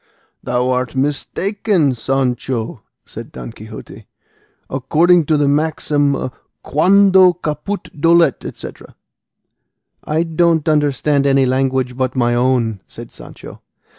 "Thou art mistaken, Sancho," said Don Quixote, "according to the maxim quando caput dolet, etc." "I don't understand any language but my own," said Sancho.